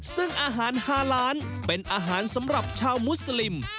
ซึ่งอาหารฮาล้านเป็นอาหารสำหรับชาวมุสลิม